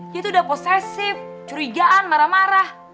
dia tuh udah posesif curigaan marah marah